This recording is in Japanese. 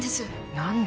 何で？